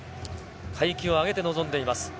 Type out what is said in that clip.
階級を上げて臨んでいます。